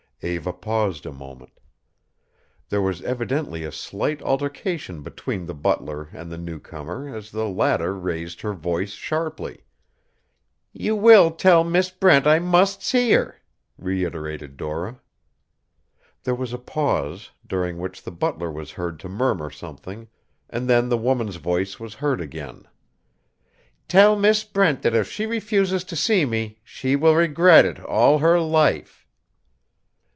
Eva paused a moment. There was evidently a slight altercation between the butler and the new comer as the latter raised her voice sharply. "You will tell Miss Brent I must see her," reiterated Dora. There was a pause, during which the butler was heard to murmur something, and then the woman's voice was heard again. "Tell Miss Brent that if she refuses to see me she will regret it all her life."